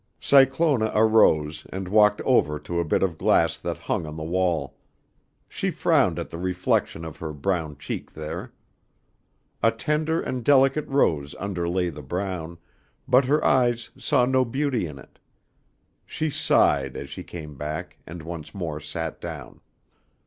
Cyclona arose and walked over to a bit of glass that hung on the wall. She frowned at the reflection of her brown cheek there. A tender and delicate rose underlay the brown, but her eyes saw no beauty in it. She sighed as she came back and once more sat down.